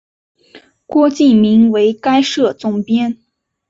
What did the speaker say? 郭敬明为该社总编。